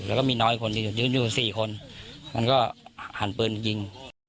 แล้วก็มีน้อยคนยืนอยู่ยืนอยู่สี่คนมันก็หันปืนยิง